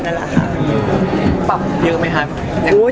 ปรับเยอะไหมคะ